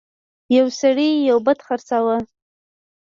یو سړي یو بت خرڅاوه.